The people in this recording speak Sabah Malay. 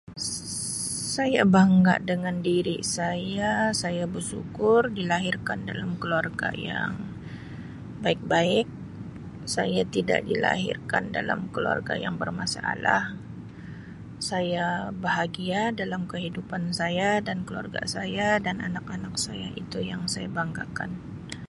S-saya bangga dengan diri saya saya bersukur dilahirkan dalam keluarga yang baik-baik saya tidak dilahirkan dalam keluarga yang bermasalah saya bahagia dalam kehidupan saya dan keluarga saya dan anak-anak saya itu yang saya banggakan.